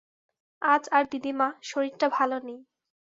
আজ আর দিদিমা, শরীরটা ভালো নেই।